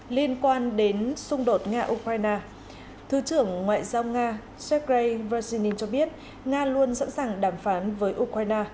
liên quan đến xung đột nga ukraine thứ trưởng ngoại giao nga sergei rajin cho biết nga luôn sẵn sàng đàm phán với ukraine